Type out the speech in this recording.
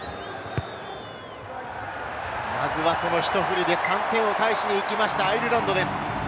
まずは、そのひとふりで３点を返しに行きました、アイルランドです。